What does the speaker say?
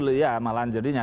ya malahan jadinya